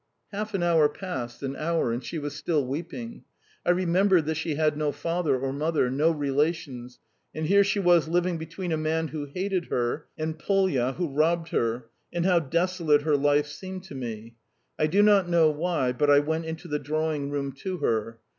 Half an hour passed, an hour, and she was still weeping. I remembered that she had no father or mother, no relations, and here she was living between a man who hated her and Polya, who robbed her and how desolate her life seemed to me! I do not know why, but I went into the drawing room to her.